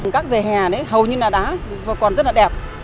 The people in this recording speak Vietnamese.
các về hè đấy hầu như là đá còn rất là đẹp